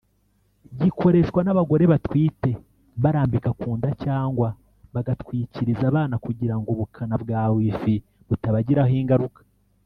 gikoreshwa n’abagore batwite barambika ku nda cyangwa bakagitwikiriza abana kugira ngo ubukana bwa Wi-Fi butabagiraho ingaruka